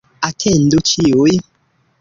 Atendu ĉiuj